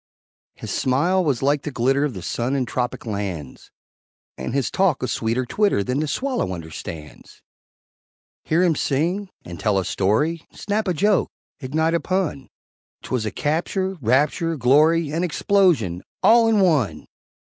His smile was like the glitter Of the sun in tropic lands, And his talk a sweeter twitter Than the swallow understands; Hear him sing and tell a story Snap a joke ignite a pun, 'Twas a capture rapture glory, And explosion all in one!